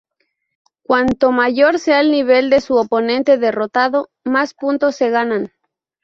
Cuanto mayor sea el nivel de su oponente derrotado, más puntos se ganan.